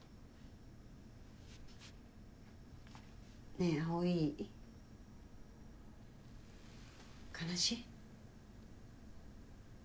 ねえ葵悲しい？